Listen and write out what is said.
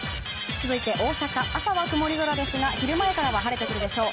続いて大阪、朝は曇り空ですが昼前からは晴れてくるでしょう。